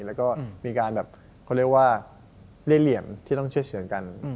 แล้วก็มีการเขาเรียกว่าเลี่ยงเหลี่ยมที่ต้องเชื่อเฉยกัน